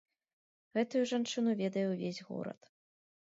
Гэтую жанчыну ведае ўвесь горад.